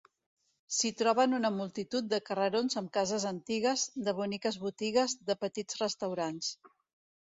S'hi troben una multitud de carrerons amb cases antigues, de boniques botigues, de petits restaurants.